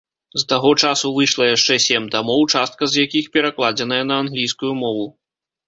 З таго часу выйшла яшчэ сем тамоў, частка з якіх перакладзеная на англійскую мову.